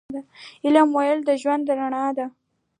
علم ولې د ژوند رڼا ده؟